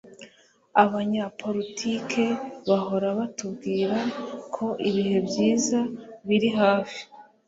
Abanyapolitike bahora batubwira ko ibihe byiza biri hafi